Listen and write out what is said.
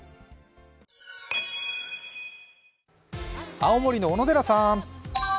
青森の小野寺さん。